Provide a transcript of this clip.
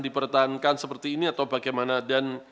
dipertahankan seperti ini atau bagaimana dan